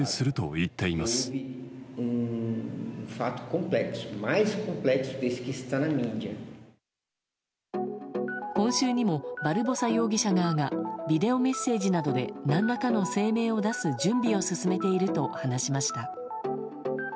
今週にもバルボサ容疑者側がビデオメッセージなどで何らかの声明を出す準備を進めていると話しました。